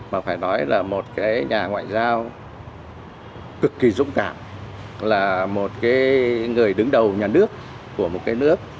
mà phải nói là một cái nhà ngoại giao cực kỳ dũng cảm là một cái người đứng đầu nhà nước của một cái nước